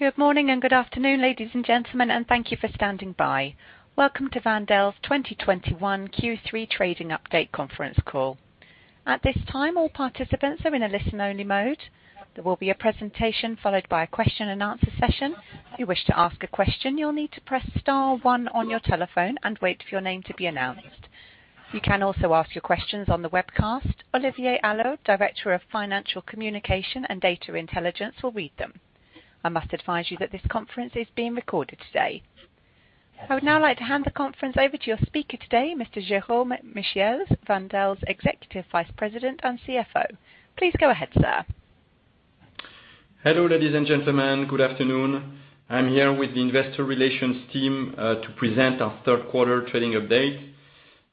Good morning and good afternoon, ladies and gentlemen, and thank you for standing by. Welcome to Wendel's 2021 Q3 trading update conference call. At this time, all participants are in a listen-only mode. There will be a presentation followed by a question and answer session. If you wish to ask a question, you'll need to press star one on your telephone and wait for your name to be announced. You can also ask your questions on the webcast. Olivier Allot, Director of Financial Communication and Data Intelligence, will read them. I must advise you that this conference is being recorded today. I would now like to hand the conference over to your speaker today, Mr. Jérôme Michiels, Wendel's Executive Vice President and CFO. Please go ahead, sir. Hello, ladies and gentlemen. Good afternoon. I'm here with the investor relations team to present our Q3 trading update.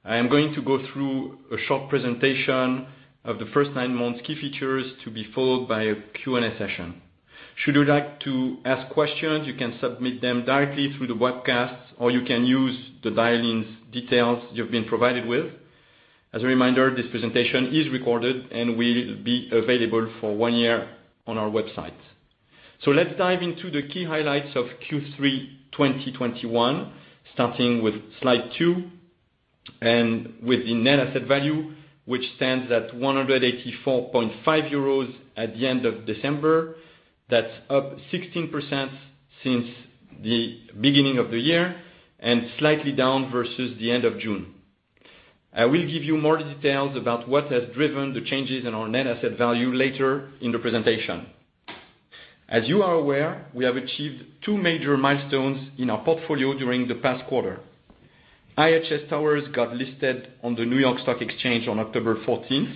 I am going to go through a short presentation of the first nine months key features to be followed by a Q&A session. Should you like to ask questions, you can submit them directly through the webcast, or you can use the dial-in details you've been provided with. As a reminder, this presentation is recorded and will be available for one year on our website. Let's dive into the key highlights of Q3 2021, starting with slide two and with the net asset value, which stands at 184.5 euros at the end of December. That's up 16% since the beginning of the year and slightly down versus the end of June. I will give you more details about what has driven the changes in our net asset value later in the presentation. As you are aware, we have achieved two major milestones in our portfolio during the past quarter. IHS Towers got listed on the New York Stock Exchange on October 14,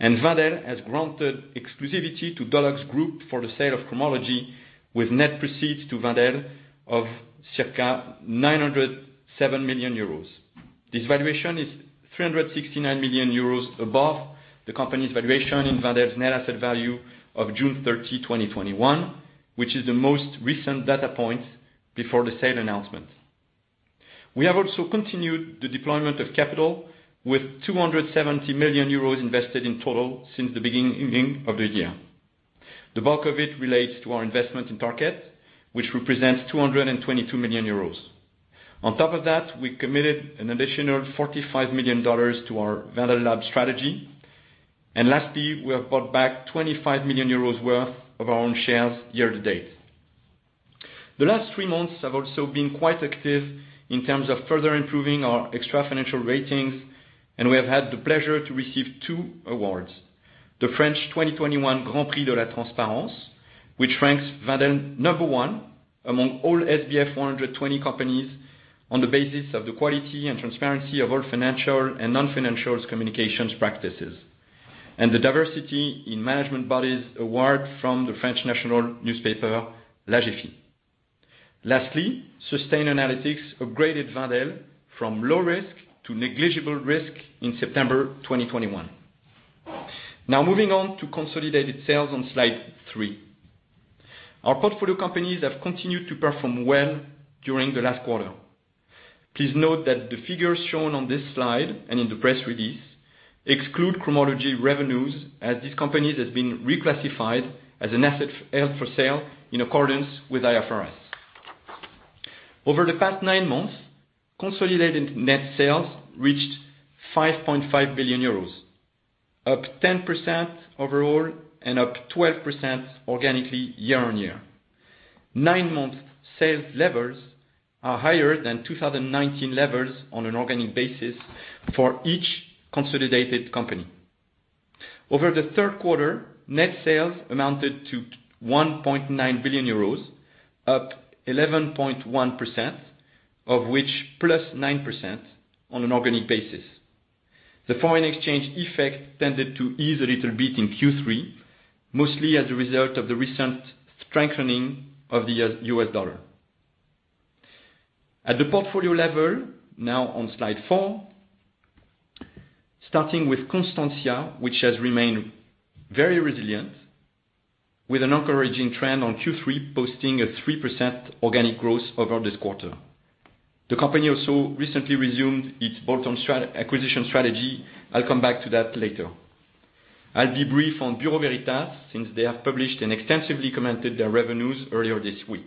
and Wendel has granted exclusivity to DuluxGroup for the sale of Cromology, with net proceeds to Wendel of circa 907 million euros. This valuation is 369 million euros above the company's valuation in Wendel's net asset value of June 30, 2021, which is the most recent data point before the sale announcement. We have also continued the deployment of capital with 270 million euros invested in total since the beginning of the year. The bulk of it relates to our investment in Tarkett, which represents 222 million euros. On top of that, we committed an additional $45 million to our Wendel Lab strategy. Lastly, we have bought back 25 million euros worth of our own shares year to date. The last three months have also been quite active in terms of further improving our extra-financial ratings, and we have had the pleasure to receive two awards. The French 2021 Grand Prix de la Transparence, which ranks Wendel number one among all SBF 120 companies on the basis of the quality and transparency of all financial and non-financial communications practices. The Diversity in Management Bodies Award from the French national newspaper, Les Echos. Lastly, Sustainalytics upgraded Wendel from low risk to negligible risk in September 2021. Now moving on to consolidated sales on slide three. Our portfolio companies have continued to perform well during the last quarter. Please note that the figures shown on this slide and in the press release exclude Cromology revenues as this company has been reclassified as an asset held for sale in accordance with IFRS. Over the past nine months, consolidated net sales reached 5.5 billion euros, up 10% overall and up 12% organically year-on-year. Nine-month sales levels are higher than 2019 levels on an organic basis for each consolidated company. Over the Q3, net sales amounted to 1.9 billion euros, up 11.1%, of which +9% on an organic basis. The foreign exchange effect tended to ease a little bit in Q3, mostly as a result of the recent strengthening of the U.S. dollar. At the portfolio level, now on slide four, starting with Constantia, which has remained very resilient with an encouraging trend on Q3, posting a 3% organic growth over this quarter. The company also recently resumed its bolt-on acquisition strategy. I'll come back to that later. I'll debrief on Bureau Veritas since they have published and extensively commented their revenues earlier this week.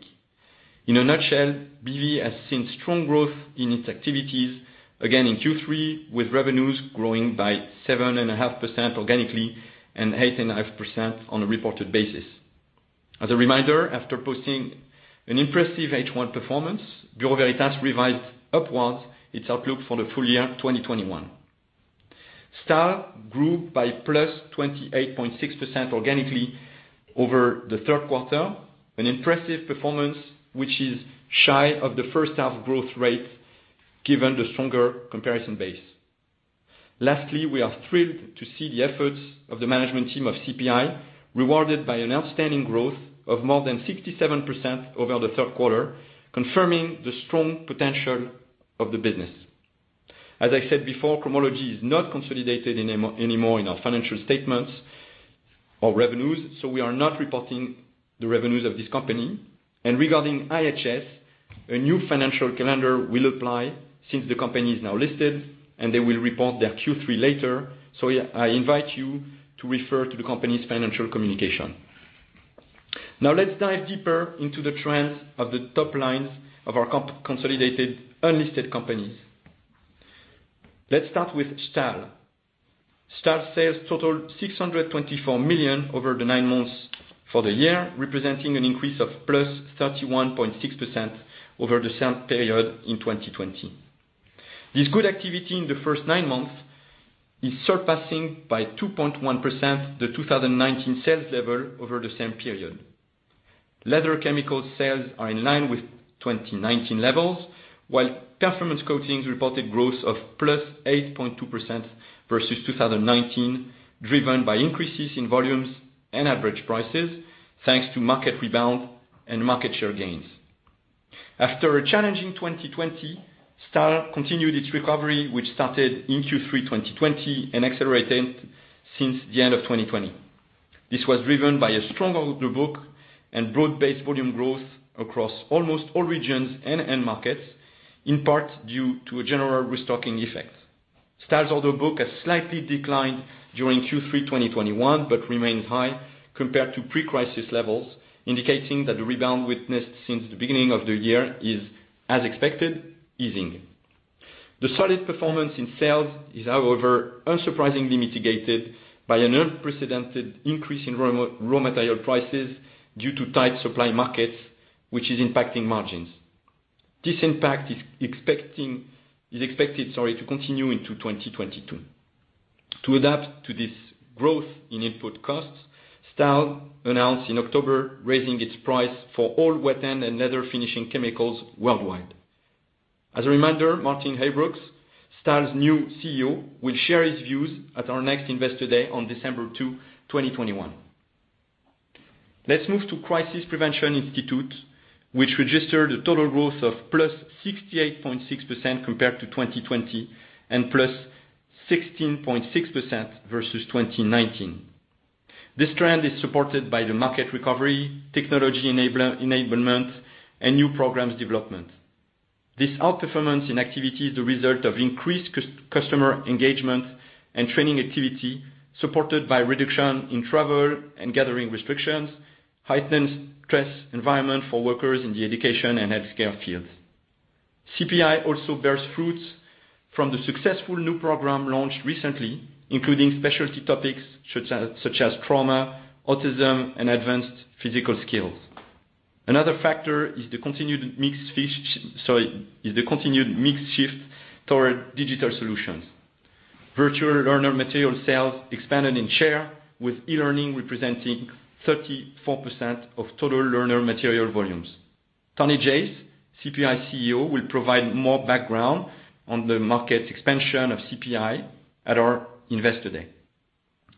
In a nutshell, BV has seen strong growth in its activities again in Q3, with revenues growing by 7.5% organically and 8.5% on a reported basis. As a reminder, after posting an impressive H1 performance, Bureau Veritas revised upwards its outlook for the full year 2021. Stahl grew by +28.6% organically over the Q3, an impressive performance which is shy of the first half growth rate given the stronger comparison base. Lastly, we are thrilled to see the efforts of the management team of CPI rewarded by an outstanding growth of more than 67% over the Q3, confirming the strong potential of the business. As I said before, Cromology is not consolidated anymore in our financial statements or revenues, so we are not reporting the revenues of this company. Regarding IHS. A new financial calendar will apply since the company is now listed and they will report their Q3 later. I invite you to refer to the company's financial communication. Now let's dive deeper into the trends of the top lines of our consolidated unlisted companies. Let's start with Stahl. Stahl's sales totaled 624 million over the nine months for the year, representing an increase of +31.6% over the same period in 2020. This good activity in the first 9 months is surpassing by 2.1% the 2019 sales level over the same period. Leather chemical sales are in line with 2019 levels, while performance coatings reported growth of +8.2% versus 2019, driven by increases in volumes and average prices, thanks to market rebound and market share gains. After a challenging 2020, Stahl continued its recovery, which started in Q3 2020 and accelerated since the end of 2020. This was driven by a strong order book and broad-based volume growth across almost all regions and end markets, in part due to a general restocking effect. Stahl's order book has slightly declined during Q3 2021, but remains high compared to pre-crisis levels, indicating that the rebound witnessed since the beginning of the year is, as expected, easing. The solid performance in sales is, however, unsurprisingly mitigated by an unprecedented increase in raw material prices due to tight supply markets, which is impacting margins. This impact is expected, sorry, to continue into 2022. To adapt to this growth in input costs, Stahl announced in October raising its price for all wet end and leather finishing chemicals worldwide. As a reminder, Maarten Heijbroek, Stahl's new CEO, will share his views at our next Investor Day on December 2, 2021. Let's move to Crisis Prevention Institute, which registered a total growth of +68.6% compared to 2020 and +16.6% versus 2019. This trend is supported by the market recovery, technology enablement, and new programs development. This outperformance in activity is the result of increased customer engagement and training activity supported by reduction in travel and gathering restrictions, heightened stress environment for workers in the education and healthcare fields. CPI also bears fruit from the successful new program launched recently, including specialty topics such as trauma, autism, and advanced physical skills. Another factor is the continued mix shift toward digital solutions. Virtual learner material sales expanded in share with e-learning representing 34% of total learner material volumes. Tony Jace, CPI CEO, will provide more background on the market expansion of CPI at our Investor Day.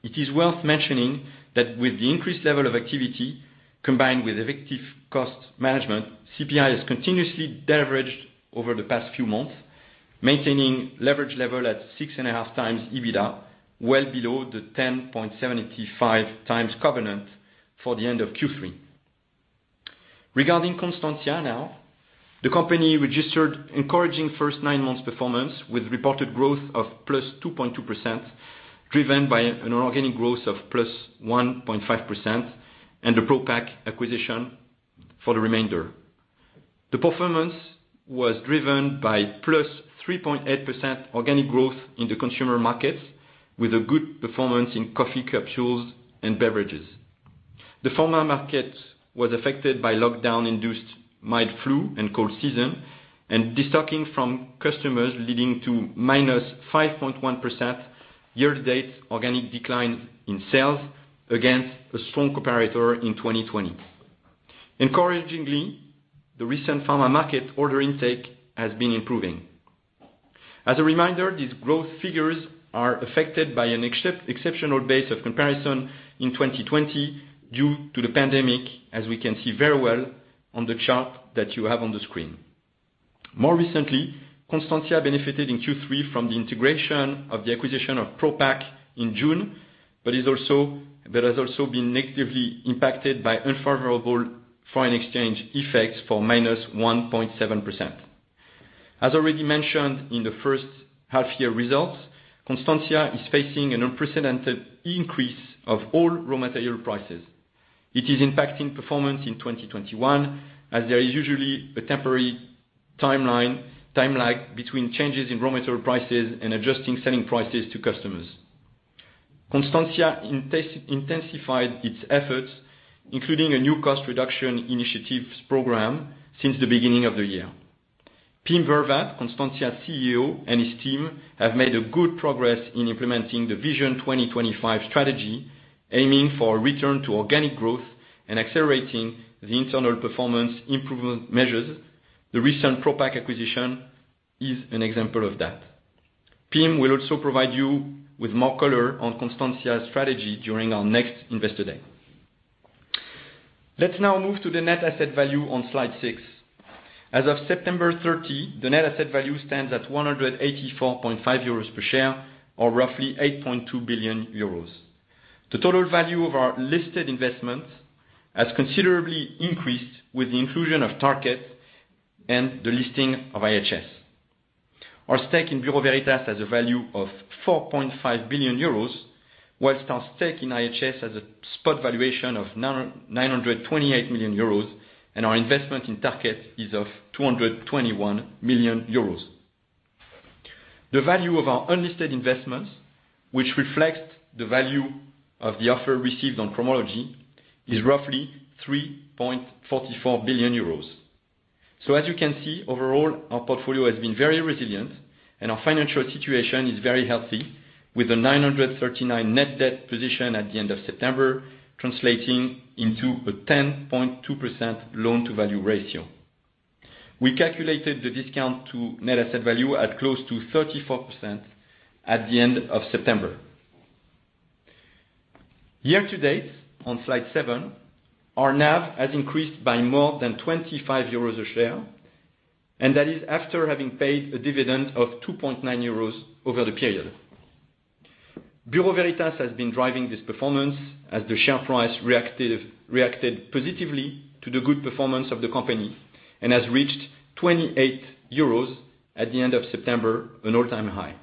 It is worth mentioning that with the increased level of activity combined with effective cost management, CPI has continuously deleveraged over the past few months, maintaining leverage level at 6.5x EBITDA, well below the 10.75x covenant for the end of Q3. Regarding Constantia now, the company registered encouraging first nine months performance with reported growth of +2.2%, driven by an organic growth of +1.5% and the Propak acquisition for the remainder. The performance was driven by +3.8% organic growth in the consumer markets with a good performance in coffee capsules and beverages. The pharma market was affected by lockdown-induced mild flu and cold season, and destocking from customers leading to -5.1% year-to-date organic decline in sales against a strong comparator in 2020. Encouragingly, the recent pharma market order intake has been improving. As a reminder, these growth figures are affected by an exceptional base of comparison in 2020 due to the pandemic, as we can see very well on the chart that you have on the screen. More recently, Constantia benefited in Q3 from the integration of the acquisition of Propak in June, but has also been negatively impacted by unfavorable foreign exchange effects for -1.7%. As already mentioned in the first half year results, Constantia is facing an unprecedented increase of all raw material prices. It is impacting performance in 2021, as there is usually a temporary time lag between changes in raw material prices and adjusting selling prices to customers. Constantia intensified its efforts, including a new cost reduction initiatives program since the beginning of the year. Pim Vervaat, Constantia's CEO, and his team have made good progress in implementing the Vision 2025 strategy, aiming for a return to organic growth and accelerating the internal performance improvement measures. The recent Propak acquisition is an example of that. Pim will also provide you with more color on Constantia's strategy during our next Investor Day. Let's now move to the net asset value on slide six. As of September 30, the net asset value stands at 184.5 euros per share or roughly 8.2 billion euros. The total value of our listed investments has considerably increased with the inclusion of Tarkett and the listing of IHS. Our stake in Bureau Veritas has a value of 4.5 billion euros, while our stake in IHS has a spot valuation of 928 million euros, and our investment in Tarkett is of 221 million euros. The value of our unlisted investments, which reflects the value of the offer received on Cromology, is roughly 3.44 billion euros. As you can see, overall, our portfolio has been very resilient and our financial situation is very healthy, with a 939 million net debt position at the end of September, translating into a 10.2% loan-to-value ratio. We calculated the discount to net asset value at close to 34% at the end of September. Year-to-date, on slide 7, our NAV has increased by more than 25 euros a share, and that is after having paid a dividend of 2.9 euros over the period. Bureau Veritas has been driving this performance as the share price reacted positively to the good performance of the company and has reached 28 EUR at the end of September, an all-time high.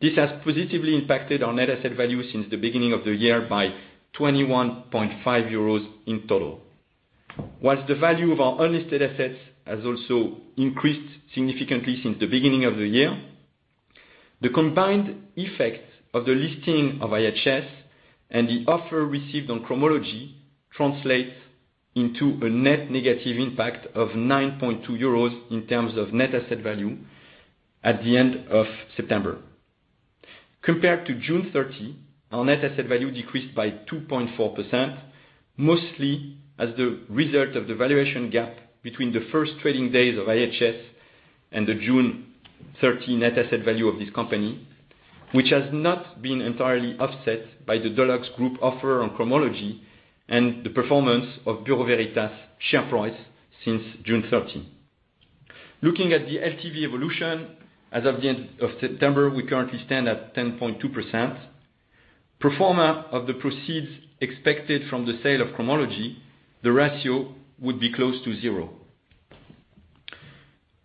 This has positively impacted our net asset value since the beginning of the year by 21.5 euros in total. While the value of our unlisted assets has also increased significantly since the beginning of the year, the combined effect of the listing of IHS and the offer received on Cromology translates into a net negative impact of 9.2 euros in terms of net asset value at the end of September. Compared to June 30, our net asset value decreased by 2.4%, mostly as the result of the valuation gap between the first trading days of IHS and the June 30 net asset value of this company, which has not been entirely offset by the DuluxGroup offer on Cromology and the performance of Bureau Veritas' share price since June 13. Looking at the LTV evolution, as of the end of September, we currently stand at 10.2%. Pro forma of the proceeds expected from the sale of Cromology, the ratio would be close to zero.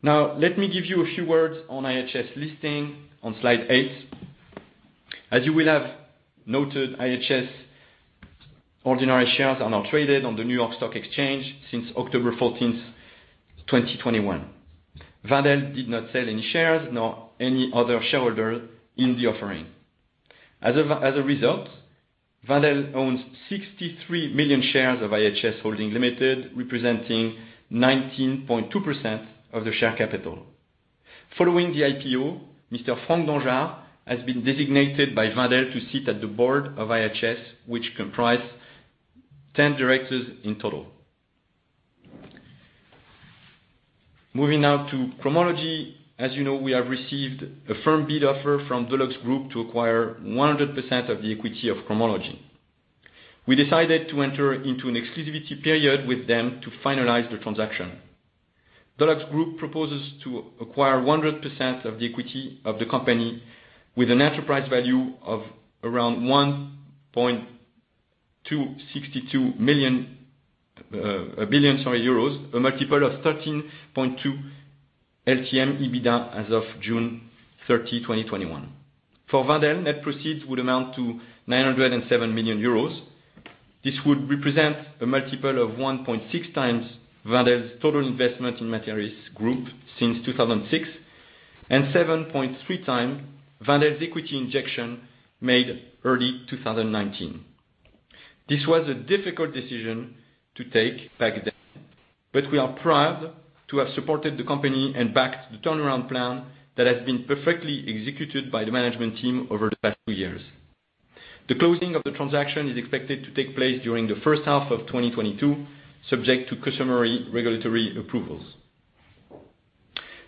Now, let me give you a few words on IHS listing on slide eight. As you will have noted, IHS ordinary shares are now traded on the New York Stock Exchange since October 14, 2021. Wendel did not sell any shares, nor any other shareholder in the offering. As a result, Wendel owns 63 million shares of IHS Holding Limited, representing 19.2% of the share capital. Following the IPO, Mr. Franck Dangeard has been designated by Wendel to sit at the board of IHS, which comprise ten directors in total. Moving now to Cromology. As you know, we have received a firm bid offer from DuluxGroup to acquire 100% of the equity of Cromology. We decided to enter into an exclusivity period with them to finalize the transaction. DuluxGroup proposes to acquire 100% of the equity of the company with an enterprise value of around 1.262 billion euros, a multiple of 13.2x LTM EBITDA as of June 30, 2021. For Wendel, net proceeds would amount to 907 million euros. This would represent a multiple of 1.6x Wendel's total investment in Materis Group since 2006, and 7.3x Wendel's equity injection made early 2019. This was a difficult decision to take back then, but we are proud to have supported the company and backed the turnaround plan that has been perfectly executed by the management team over the past few years. The closing of the transaction is expected to take place during the first half of 2022, subject to customary regulatory approvals.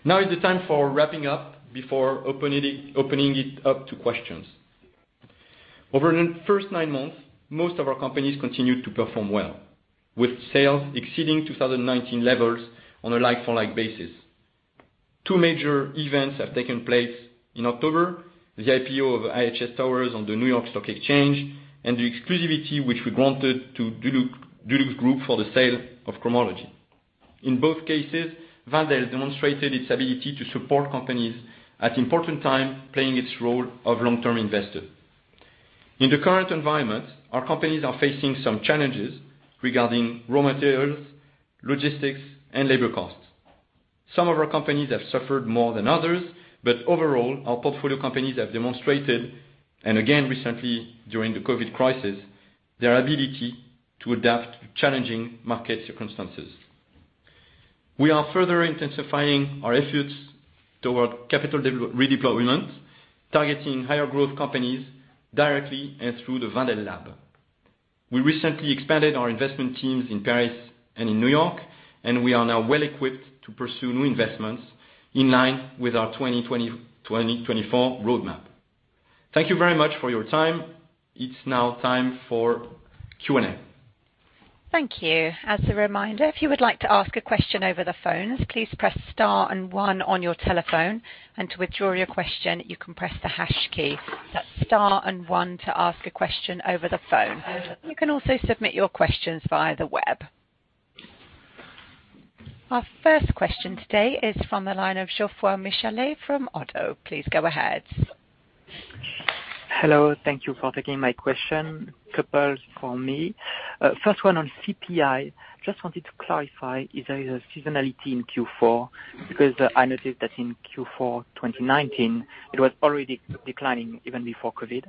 Now is the time for wrapping up before opening it up to questions. Over the first nine months, most of our companies continued to perform well, with sales exceeding 2019 levels on a like-for-like basis. Two major events have taken place in October, the IPO of IHS Towers on the New York Stock Exchange and the exclusivity which we granted to DuluxGroup for the sale of Cromology. In both cases, Wendel demonstrated its ability to support companies at important time, playing its role of long-term investor. In the current environment, our companies are facing some challenges regarding raw materials, logistics, and labor costs. Some of our companies have suffered more than others, but overall, our portfolio companies have demonstrated, and again recently during the COVID crisis, their ability to adapt to challenging market circumstances. We are further intensifying our efforts toward capital redeployment, targeting higher growth companies directly and through the Wendel Lab. We recently expanded our investment teams in Paris and in New York, and we are now well-equipped to pursue new investments in line with our 2021-2024 Roadmap. Thank you very much for your time. It's now time for Q&A. Thank you. As a reminder, if you would like to ask a question over the phone, please press Star and One on your telephone, and to withdraw your question, you can press the Hash key. That's Star and One to ask a question over the phone. You can also submit your questions via the web. Our first question today is from the line of Geoffroy Michalet from Oddo. Please go ahead. Hello. Thank you for taking my question. A couple from me. First one on CPI. Just wanted to clarify if there is a seasonality in Q4, because I noticed that in Q4 2019 it was already declining even before COVID.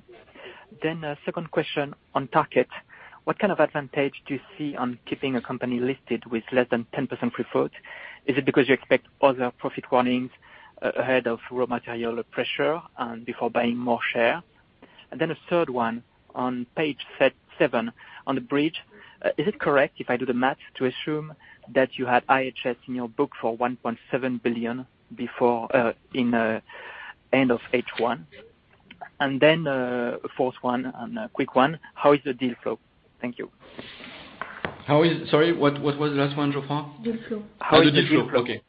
Second question on Tarkett, what advantage do you see on keeping a company listed with less than 10% preferred? Is it because you expect other profit warnings, ahead of raw material pressure and before buying more share? Third one on page 7 on the bridge. Is it correct if I do the math to assume that you had IHS in your book for 1.7 billion before, in end of H1? Fourth one and a quick one, how is the deal flow? Thank you. Sorry, what was the last one, Geoffroy? Deal flow. Oh, the deal flow. Okay.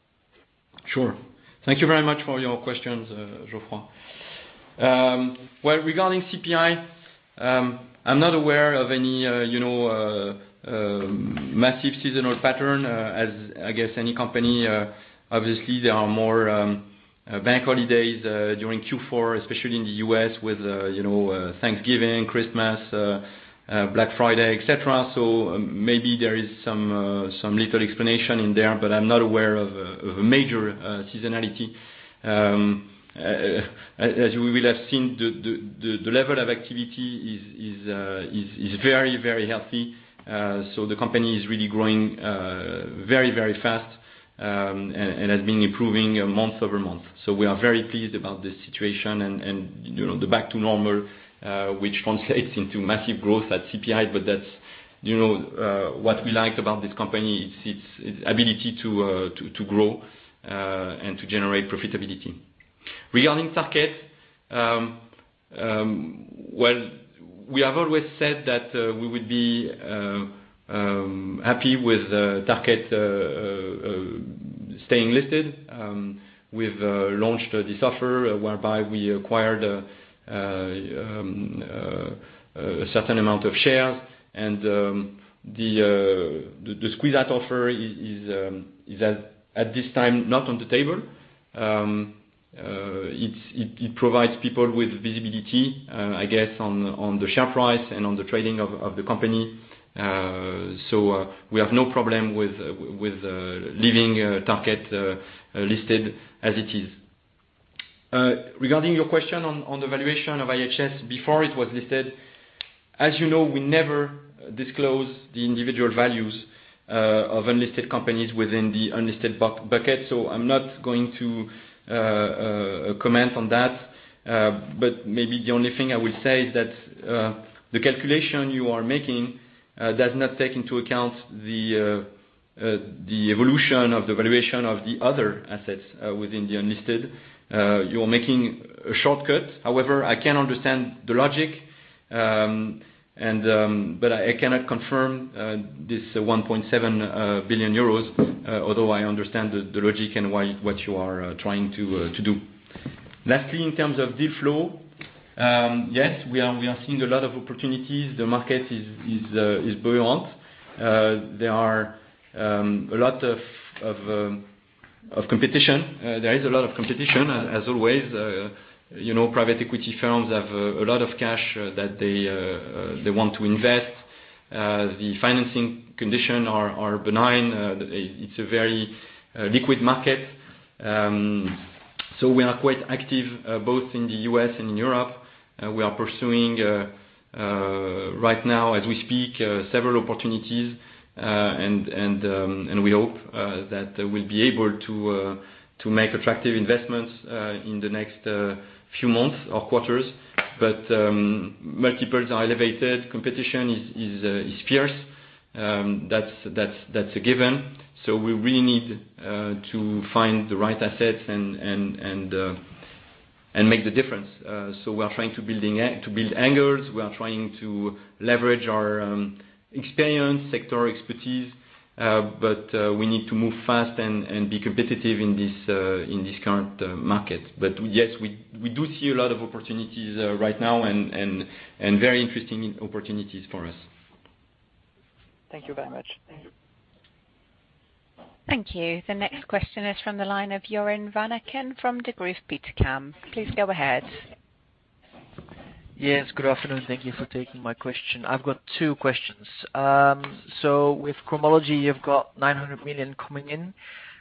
Sure. Thank you very much for your questions, Geoffroy. Well, regarding CPI, I'm not aware of any, you know, massive seasonal pattern, as in any company. Obviously, there are more bank holidays during Q4, especially in the U.S. with, you know, Thanksgiving, Christmas, Black Friday, et cetera. So maybe there is some little explanation in there, but I'm not aware of a major seasonality. As you will have seen, the level of activity is very healthy. So the company is really growing very fast, and has been improving month-over-month. We are very pleased about this situation and, you know, the back to normal, which translates into massive growth at CPI, but that's, you know, what we liked about this company. Its ability to grow and to generate profitability. Regarding Tarkett, well, we have always said that we would be happy with Tarkett staying listed. We've launched this offer whereby we acquired a certain amount of shares and the squeeze-out offer is at this time not on the table. It provides people with visibility, I guess on the share price and on the trading of the company. We have no problem with leaving Tarkett listed as it is. Regarding your question on the valuation of IHS before it was listed, as you know, we never disclose the individual values of unlisted companies within the unlisted bucket. I'm not going to comment on that. Maybe the only thing I will say is that the calculation you are making does not take into account the evolution of the valuation of the other assets within the unlisted. You're making a shortcut. However, I can understand the logic and but I cannot confirm this 1.7 billion euros although I understand the logic and why what you are trying to do. Lastly, in terms of deal flow, yes, we are seeing a lot of opportunities. The market is buoyant. There is a lot of competition as always. You know, private equity firms have a lot of cash that they want to invest. The financing conditions are benign. It's a very liquid market. We are quite active both in the U.S. and in Europe. We are pursuing right now as we speak several opportunities, and we hope that we'll be able to make attractive investments in the next few months or quarters. Multiples are elevated. Competition is fierce. That's a given. We really need to find the right assets and make the difference. We are trying to build angles. We are trying to leverage our experience, sector expertise, but we need to move fast and be competitive in this current market. Yes, we do see a lot of opportunities right now and very interesting opportunities for us. Thank you very much. Thank you. The next question is from the line of Joren Van Aken from Degroof Petercam. Please go ahead. Yes, good afternoon. Thank you for taking my question. I've got two questions. With Cromology, you've got 900 million coming in.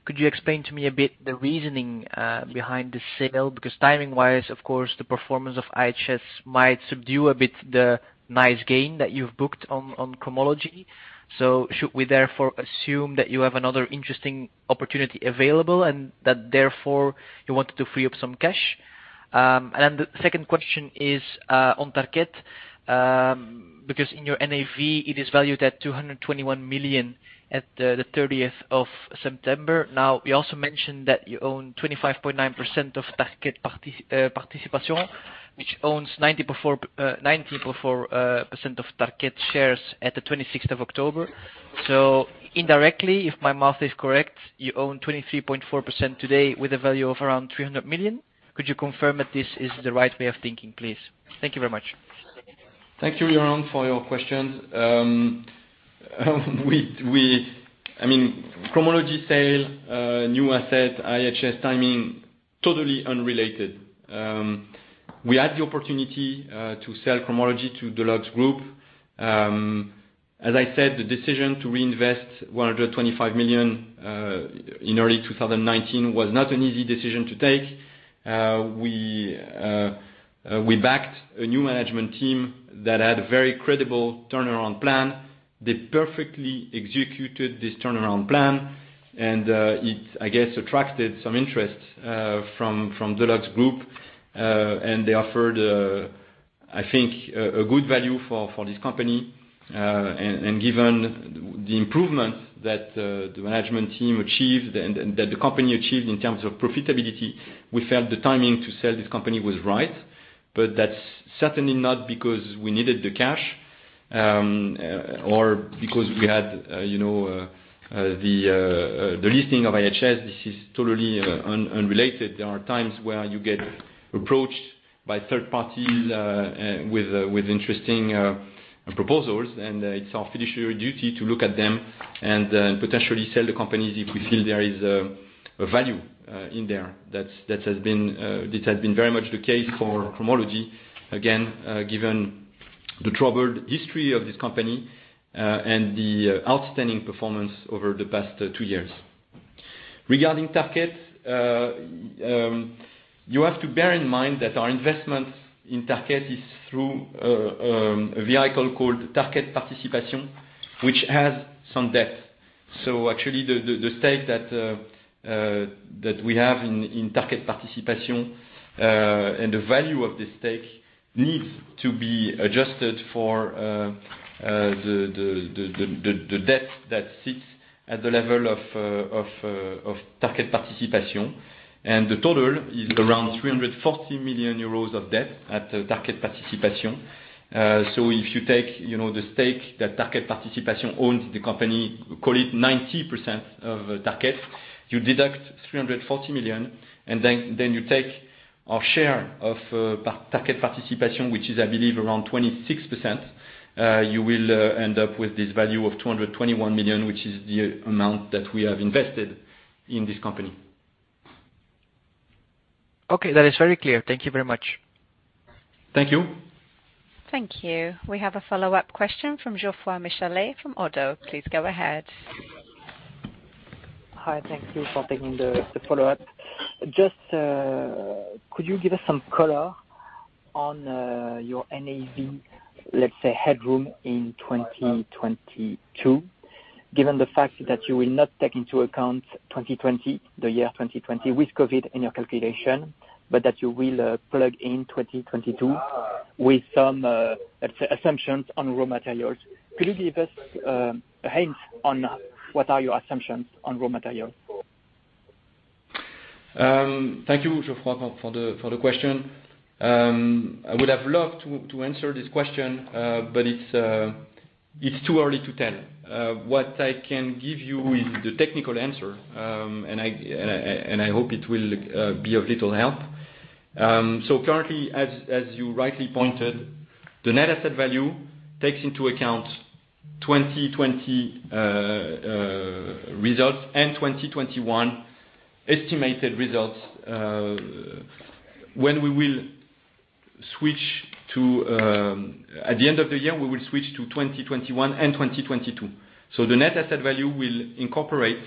Could you explain to me a bit the reasoning behind the sale? Because timing-wise, of course, the performance of IHS might subdue a bit the nice gain that you've booked on Cromology. Should we therefore assume that you have another interesting opportunity available and that therefore you wanted to free up some cash? The second question is on Tarkett. Because in your NAV, it is valued at 221 million at the thirtieth of September. Now, you also mentioned that you own 25.9% of Tarkett Participation, which owns 94% of Tarkett shares at the twenty-sixth of October. Indirectly, if my math is correct, you own 23.4% today with a value of around 300 million. Could you confirm that this is the right way of thinking, please? Thank you very much. Thank you, Joren, for your question. Cromology sale, new asset, IHS timing, totally unrelated. We had the opportunity to sell Cromology to DuluxGroup. As I said, the decision to reinvest 125 million in early 2019 was not an easy decision to take. We backed a new management team that had a very credible turnaround plan. They perfectly executed this turnaround plan, and it, I guess, attracted some interest from DuluxGroup. They offered, I think, a good value for this company. Given the improvement that the management team achieved and that the company achieved in terms of profitability, we felt the timing to sell this company was right. That's certainly not because we needed the cash, or because we had, you know, the listing of IHS. This is totally unrelated. There are times where you get approached by third parties with interesting proposals, and it's our fiduciary duty to look at them and potentially sell the companies if we feel there is a value in there. That has been very much the case for Cromology. Again, given the troubled history of this company, and the outstanding performance over the past two years. Regarding Tarkett, you have to bear in mind that our investment in Tarkett is through a vehicle called Tarkett Participation, which has some debt. Actually, the stake that we have in Tarkett Participation and the value of this stake needs to be adjusted for the debt that sits at the level of Tarkett Participation. The total is around 340 million euros of debt at Tarkett Participation. If you take, you know, the stake that Tarkett Participation owns the company, call it 90% of Tarkett. You deduct 340 million, and then you take our share of Tarkett Participation, which is, I believe, around 26%, you will end up with this value of 221 million, which is the amount that we have invested in this company. Okay, that is very clear. Thank you very much. Thank you. Thank you. We have a follow-up question from Geoffroy Michalet from Oddo. Please go ahead. Hi. Thank you for taking the follow-up. Just could you give us some color on your NAV, let's say headroom in 2022, given the fact that you will not take into account 2020, the year 2020 with COVID in your calculation, but that you will plug in 2022 with some assumptions on raw materials. Could you give us a hint on what are your assumptions on raw materials? Thank you, Geoffroy, for the question. I would have loved to answer this question, but it's too early to tell. What I can give you is the technical answer. I hope it will be of little help. Currently, as you rightly pointed, the net asset value takes into account 2020 results and 2021 estimated results. When we will switch to at the end of the year, we will switch to 2021 and 2022. The net asset value will incorporate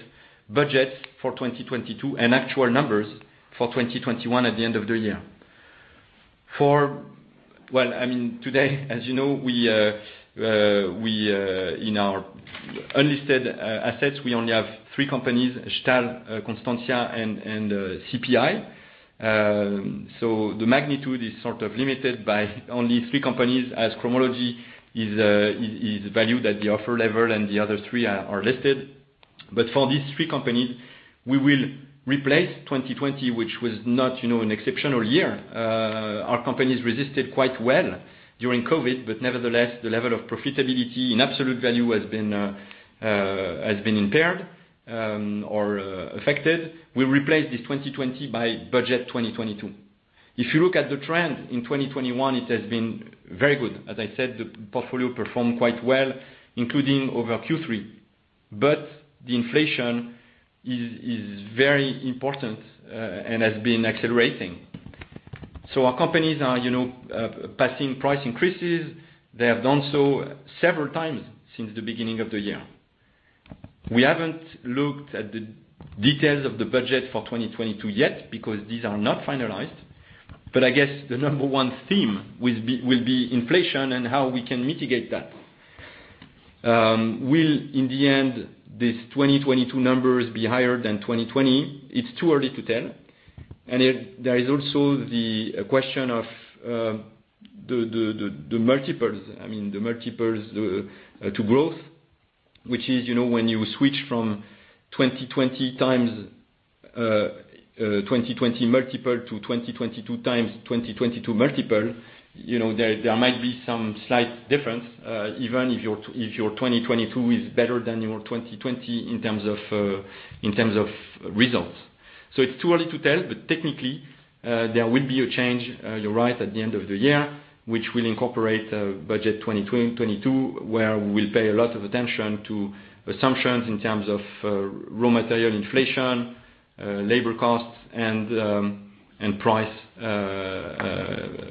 budget for 2022 and actual numbers for 2021 at the end of the year. For Well, I mean, today, as you know, we in our unlisted assets only have three companies, Stahl, Constantia, and CPI. The magnitude is limited by only three companies, as Cromology is valued at the offer level, and the other three are listed. For these three companies, we will replace 2020, which was not, you know, an exceptional year. Our companies resisted quite well during COVID, but nevertheless, the level of profitability in absolute value has been impaired or affected. We replace this 2020 by budget 2022. If you look at the trend in 2021, it has been very good. As I said, the portfolio performed quite well, including over Q3. The inflation is very important and has been accelerating. Our companies are, you know, passing price increases. They have done so several times since the beginning of the year. We haven't looked at the details of the budget for 2022 yet because these are not finalized, but I guess the number one theme will be inflation and how we can mitigate that. Will in the end, these 2022 numbers be higher than 2020? It's too early to tell. It there is also the question of the multiples, I mean, the multiples to growth, which is, you know, when you switch from 2020 times 2020 multiple to 2022 times 2022 multiple, you know, there might be some slight difference, even if your 2022 is better than your 2020 in terms of results. It's too early to tell, but technically, there will be a change, you're right, at the end of the year, which will incorporate budget 2022, where we'll pay a lot of attention to assumptions in terms of raw material inflation, labor costs, and price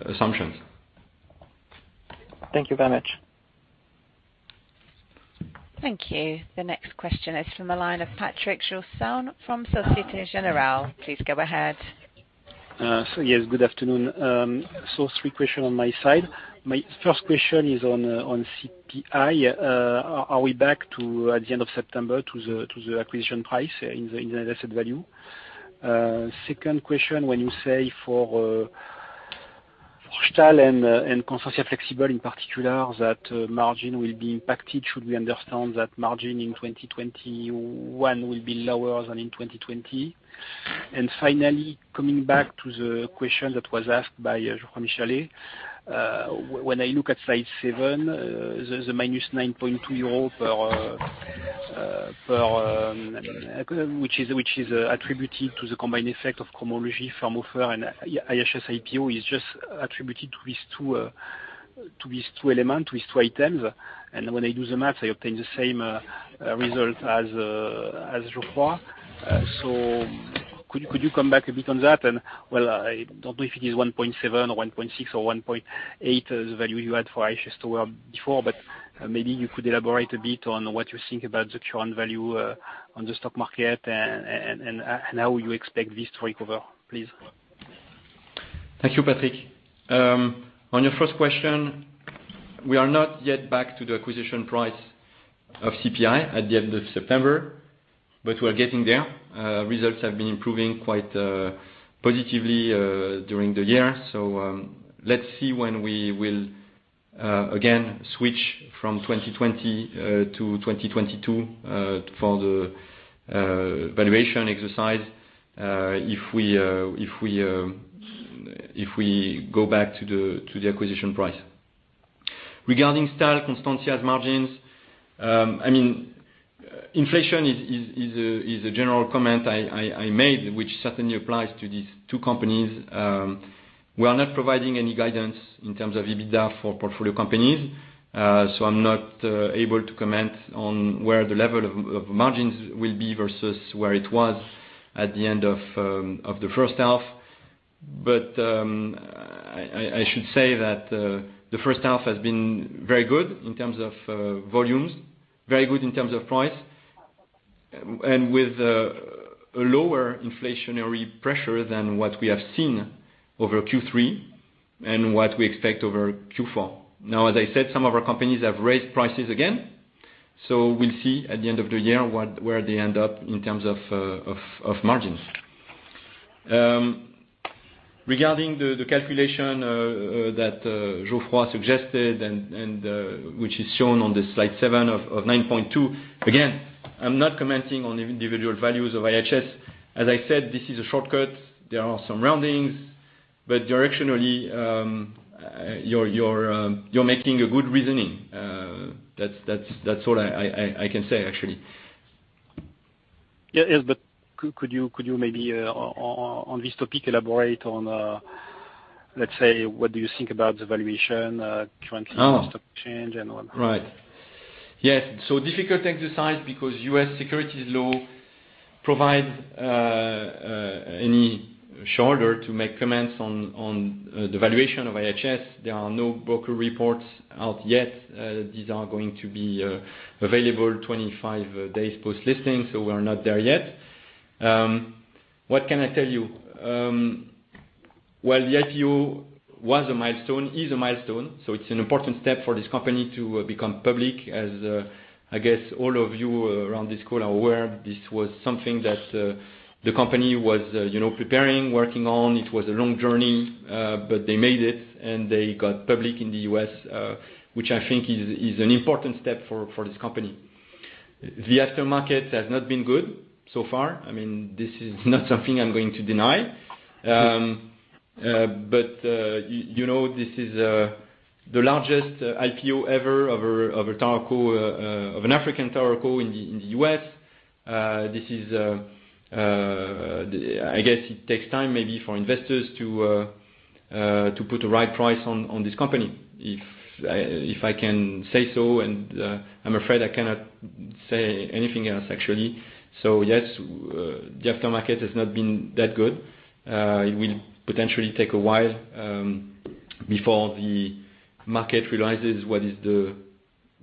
assumptions. Thank you very much. Thank you. The next question is from the line of Patrick Jousseaume from Société Générale. Please go ahead. Yes, good afternoon. Three questions on my side. My first question is on CPI. Are we back, at the end of September, to the acquisition price in the asset value? Second question, when you say for Stahl and Constantia Flexibles in particular, that margin will be impacted, should we understand that margin in 2021 will be lower than in 2020? Finally, coming back to the question that was asked by Geoffroy Michalet, when I look at slide seven, the minus 9.2 euro per... which is attributed to the combined effect of Cromology, firm offer, and IHS IPO is just attributed to these two elements, these two items. When I do the math, I obtain the same result as Geoffroy. So could you come back a bit on that? Well, I don't know if it is 1.7 or 1.6 or 1.8 as the value you had for IHS before, but maybe you could elaborate a bit on what you think about the current value on the stock market and how you expect this to recover, please. Thank you, Patrick. On your first question, we are not yet back to the acquisition price of CPI at the end of September, but we're getting there. Results have been improving quite positively during the year. Let's see when we will again switch from 2020 to 2022 for the valuation exercise, if we go back to the acquisition price. Regarding Stahl, Constantia's margins, I mean, inflation is a general comment I made, which certainly applies to these two companies. We are not providing any guidance in terms of EBITDA for portfolio companies. I'm not able to comment on where the level of margins will be versus where it was at the end of the first half. I should say that the first half has been very good in terms of volumes, very good in terms of price, and with a lower inflationary pressure than what we have seen over Q3 and what we expect over Q4. Now, as I said, some of our companies have raised prices again, so we'll see at the end of the year where they end up in terms of margins. Regarding the calculation that Geoffroy suggested and which is shown on slide seven of 9.2. Again, I'm not commenting on individual values of IHS. As I said, this is a shortcut. There are some roundings, but directionally, you're making a good reasoning. That's all I can say, actually. Yeah. Yes. Could you maybe, on this topic, elaborate on, let's say, what do you think about the valuation currently? Oh. On the stock exchange and what not? Right. Yes. Difficult exercise because U.S. securities laws provide no leeway to make comments on the valuation of IHS. There are no broker reports out yet. These are going to be available 25 days post-listing, so we're not there yet. What can I tell you? Well, the IPO was a milestone, is a milestone, so it's an important step for this company to become public, and I guess all of you around this call are aware this was something that the company was you know preparing working on. It was a long journey, but they made it, and they got public in the U.S., which I think is an important step for this company. The aftermarket has not been good so far. I mean, this is not something I'm going to deny. You know, this is the largest IPO ever of an African tower co in the U.S. This is, I guess it takes time maybe for investors to put the right price on this company. If I can say so, and I'm afraid I cannot say anything else actually. Yes, the aftermarket has not been that good. It will potentially take a while before the market realizes what is the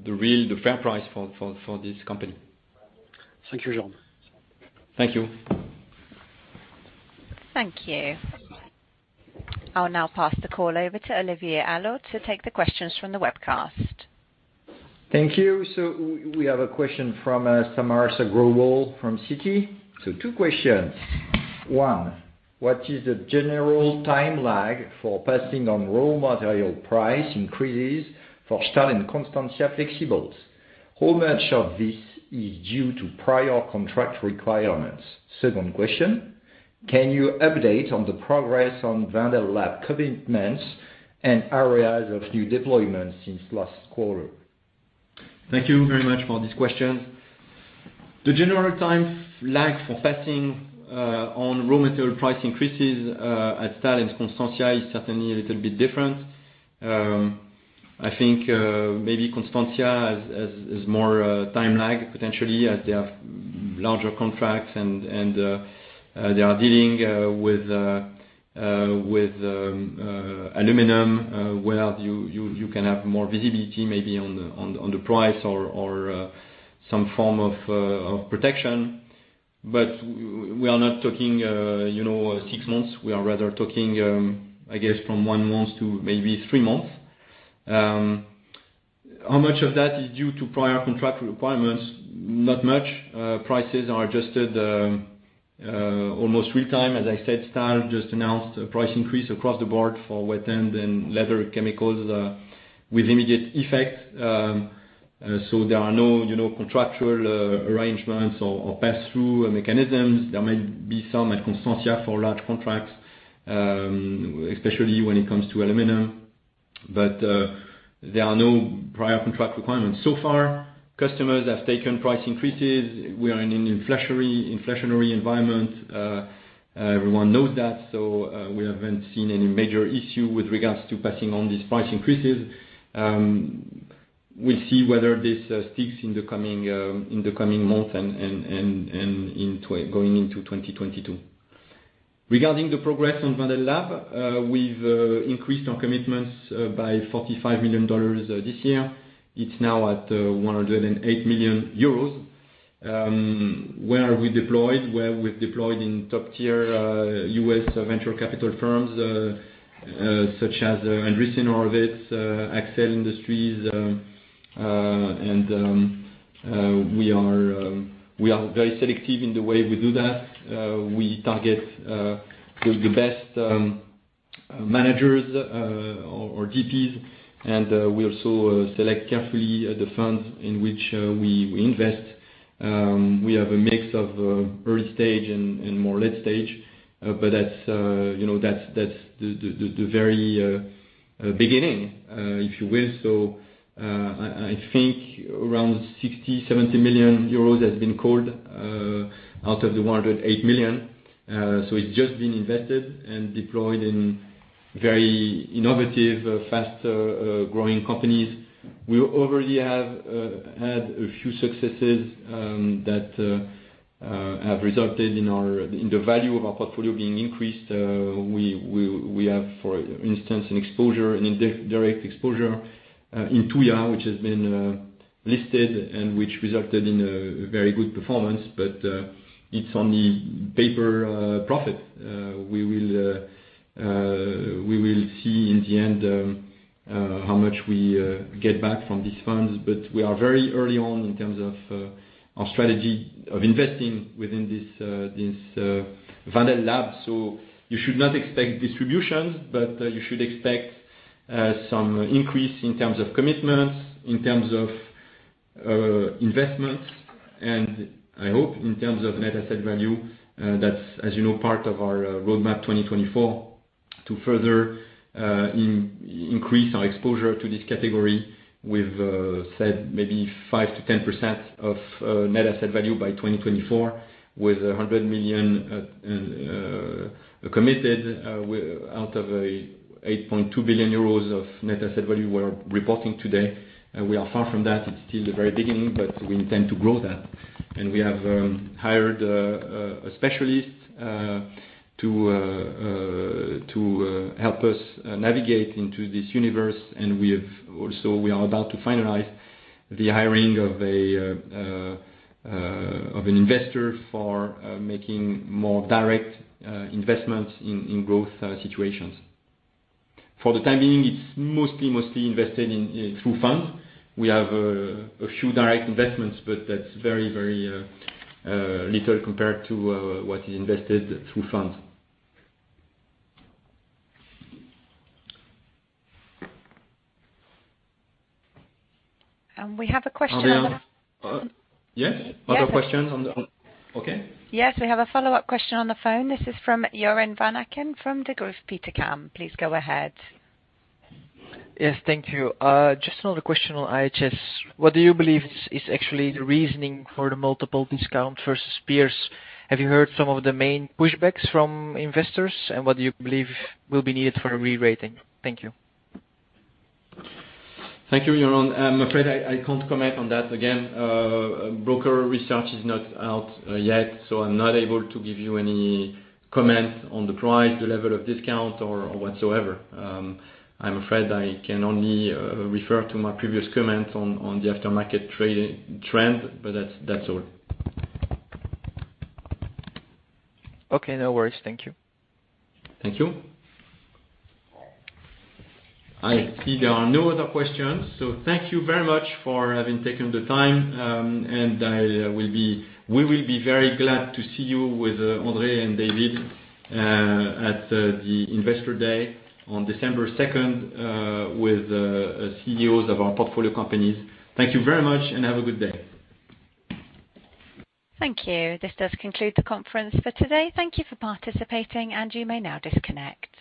real, the fair price for this company. Thank you, Jean. Thank you. Thank you. I'll now pass the call over to Olivier Allot to take the questions from the webcast. Thank you. We have a question from Samarsa Growall from Citi. Two questions. One, what is the general time lag for passing on raw material price increases for Stahl and Constantia Flexibles? How much of this is due to prior contract requirements? Second question, can you update on the progress on Wendel Lab commitments and areas of new deployments since last quarter? Thank you very much for this question. The general time lag for passing on raw material price increases at Stahl and Constantia is certainly a little bit different. I think maybe Constantia has more time lag potentially as they have larger contracts and they are dealing with aluminum where you can have more visibility maybe on the price or some form of protection. We are not talking, you know, six months. We are rather talking, I guess from one month to maybe three months. How much of that is due to prior contract requirements? Not much. Prices are adjusted almost real-time. As I said, Stahl just announced a price increase across the board for wet end and leather chemicals with immediate effect. So there are no, you know, contractual arrangements or pass-through mechanisms. There might be some at Constantia for large contracts, especially when it comes to aluminum, but there are no prior contract requirements. So far, customers have taken price increases. We are in an inflationary environment. Everyone knows that, so we haven't seen any major issue with regards to passing on these price increases. We'll see whether this sticks in the coming months and going into 2022. Regarding the progress on Wendel Lab, we've increased our commitments by $45 million this year. It's now at 108 million euros. Where are we deployed? Well, we've deployed in top-tier U.S. venture capital firms such as Andreessen Horowitz, Accel Partners. We are very selective in the way we do that. We target the best managers or GPs, and we also select carefully the funds in which we invest. We have a mix of early stage and more late stage, but that's you know that's the very beginning if you will. I think around 60-70 million euros has been called out of the 108 million. It's just been invested and deployed in very innovative faster growing companies. We already have had a few successes that have resulted in the value of our portfolio being increased. We have for instance an indirect exposure in Tuya which has been listed and which resulted in a very good performance, but it's only paper profit. We will see in the end how much we get back from these funds, but we are very early on in terms of our strategy of investing within this Wendel Lab. You should not expect distributions, but you should expect some increase in terms of commitments, in terms of investments, and I hope in terms of net asset value. That's, as you know, part of our Roadmap 2024 to further increase our exposure to this category with, said maybe 5%-10% of net asset value by 2024, with 100 million committed out of 8.2 billion euros of net asset value we're reporting today. We are far from that. It's still the very beginning, but we intend to grow that. We have hired a specialist to help us navigate into this universe. We have also, we are about to finalize the hiring of an investor for making more direct investments in growth situations. For the time being, it's mostly invested in through funds. We have a few direct investments, but that's very little compared to what is invested through funds. We have a question. Are there? Yes. Other questions on the okay. Yes, we have a follow-up question on the phone. This is from Joren Van Aken from Degroof Petercam. Please go ahead. Yes. Thank you. Just another question on IHS. What do you believe is actually the reasoning for the multiple discount versus peers? Have you heard some of the main pushbacks from investors? What do you believe will be needed for a re-rating? Thank you. Thank you, Joren. I'm afraid I can't comment on that. Again, broker research is not out yet, so I'm not able to give you any comment on the price, the level of discount or whatsoever. I'm afraid I can only refer to my previous comment on the aftermarket trading trend, but that's all. Okay. No worries. Thank you. Thank you. I see there are no other questions, so thank you very much for having taken the time, and we will be very glad to see you with André François-Poncet and David Darmon at the Investor Day on December second with CEOs of our portfolio companies. Thank you very much, and have a good day. Thank you. This does conclude the conference for today. Thank you for participating, and you may now disconnect.